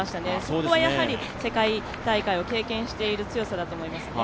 ここは世界大会を経験している強さだと思います。